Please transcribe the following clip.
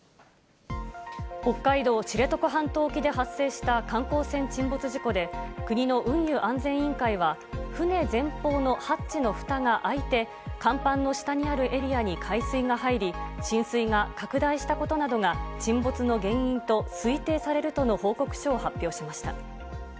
北海道知床半島沖で発生した観光船沈没事故で、国の運輸安全委員会は船前方のハッチの蓋が開いて甲板の下にあるエリアに海水が入り、浸水が拡大したことなどが沈没の原因と推定されるとの報告書を発表しました。